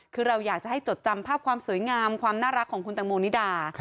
คือเราอยากจะให้จดจำภาพความสวยงามความน่ารักของคุณตังโมนิดา